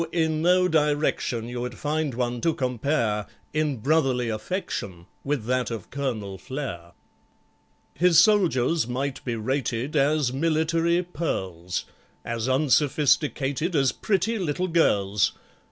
in no direction You'd find one to compare In brotherly affection With that of COLONEL FLARE. His soldiers might be rated As military Pearls. As unsophisticated As pretty little girls!